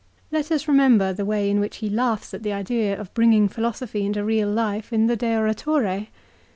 Let us remember the way in which he laughs at the idea of bringing philosophy into real life in the "De Oratore."